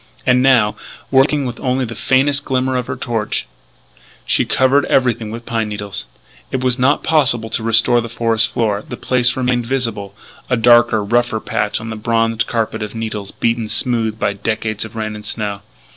And now, working with only the faintest glimmer of her torch, she covered everything with pine needles. It was not possible to restore the forest floor; the place remained visible a darker, rougher patch on the bronzed carpet of needles beaten smooth by decades of rain and snow.